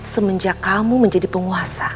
semenjak kamu menjadi penguasa